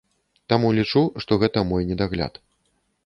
Таму лічу, што гэта мой недагляд.